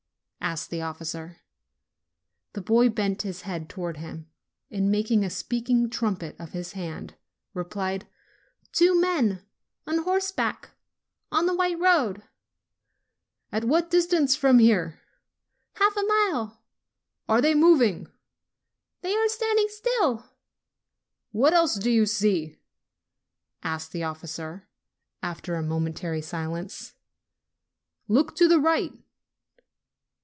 asked the officer. The boy bent his head towards him, and, making a speaking trumpet of his hand, replied, "Two men on horseback, on the white road." "At what distance from here?" "Half a mile." "Are they moving?" "They are standing still." 'What else do you see?" asked the officer, after a momentary silence. "Look to the right."